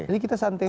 jadi kita santai saja